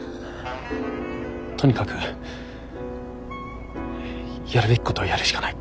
とにかくやるべきことをやるしかない。